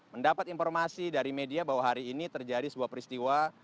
mendapat informasi dari media bahwa hari ini terjadi sebuah peristiwa